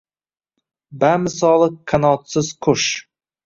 Bamisoli qanotsiz qush